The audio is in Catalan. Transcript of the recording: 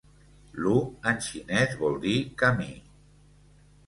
Lu’ en xinès vol dir ‘camí’.